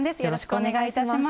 お願いいたします。